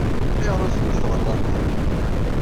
Ayɣer ur teddiḍ ɣer Lalman?